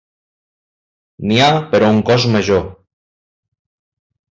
N'hi ha per a un cos major.